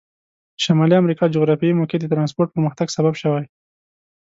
شمالي امریکا جغرافیایي موقعیت د ترانسپورت پرمختګ سبب شوي.